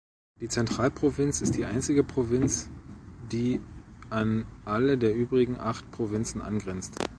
Die Zentralprovinz ist die einzige Provinz, die an alle der übrigen acht Provinzen angrenzt.